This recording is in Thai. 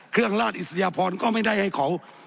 เครื่องราชอิสยภรก็ไม่ได้ให้เขา